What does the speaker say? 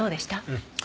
うん。